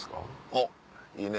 あっいいね。